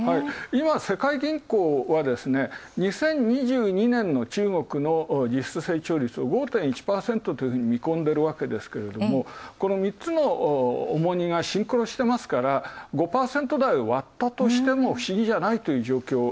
今、世界銀行は２０２２年の中国の実質成長率を５．１％と見込んでるわけですけれどもこの３つの重荷がシンクロしてますから、５％台を割ったとしても不思議じゃないという。